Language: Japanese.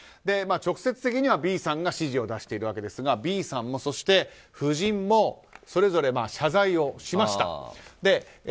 直接的にはＢさんが指示を出しているわけですがＢさんもそして夫人もそれぞれ謝罪をしました。